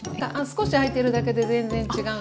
少し開いてるだけで全然違うので。